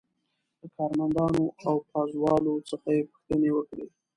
له کارمندانو او پازوالو څخه یې پوښتنې وکړې.